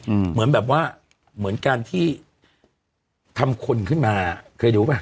เหมือนแบบว่าเหมือนการที่ทำคนขึ้นมาเคยดูป่ะ